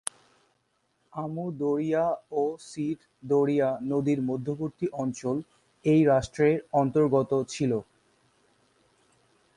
আমু Darya ও Syr Darya নদীর মধ্যবর্তী অঞ্চল এই রাষ্ট্রের অন্তর্গত ছিল।